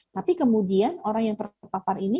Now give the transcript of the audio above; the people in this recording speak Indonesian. tapi kemudian orang yang terpapar ini